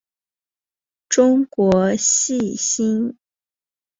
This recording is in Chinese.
中国细辛